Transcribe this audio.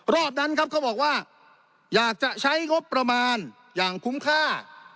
รอบนั้นครับเขาบอกว่าอยากจะใช้งบประมาณอย่างคุ้มค่า